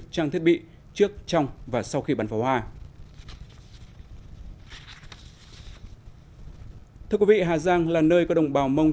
trang thiết bị trước trong và sau khi bán pháo hoa thưa quý vị hà giang là nơi có đồng bào mong